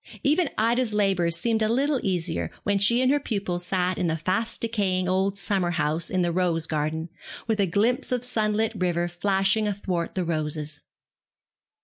Even Ida's labours seemed a little easier when she and her pupils sat in a fast decaying old summer house in the rose garden, with a glimpse of sunlit river flashing athwart the roses.